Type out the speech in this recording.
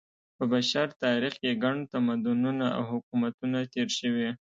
په بشر تاریخ کې ګڼ تمدنونه او حکومتونه تېر شوي.